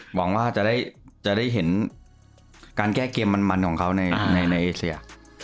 หวังว่าจะได้เห็นการแก้เกมมันของเขาในเอเชีย